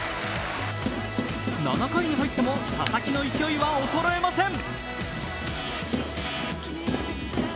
７回に入っても佐々木の勢いは衰えません。